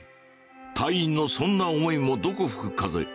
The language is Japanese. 隊員のそんな思いもどこ吹く風。